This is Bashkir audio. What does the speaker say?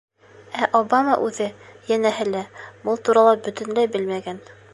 Ә Обама үҙе, йәнәһе лә, был турала бөтөнләй белмәгән.